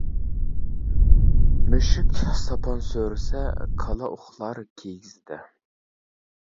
مۈشۈك ساپان سۆرىسە، كالا ئۇخلار كىگىزدە.